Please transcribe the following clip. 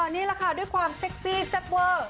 นี่แหละค่ะด้วยความเซ็กซี่แซ่บเวอร์